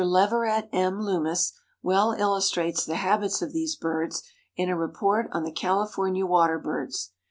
Leverett M. Loomis well illustrates the habits of these birds in a report on the California Water birds.